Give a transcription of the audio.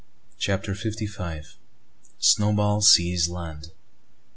CHAPTER FIFTY FIVE. SNOWBALL SEES LAND.